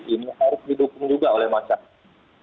ini harus didukung juga oleh masyarakat